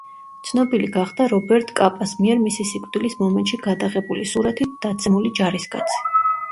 ცნობილი გახდა რობერტ კაპას მიერ მისი სიკვდილის მომენტში გადაღებული სურათით „დაცემული ჯარისკაცი“.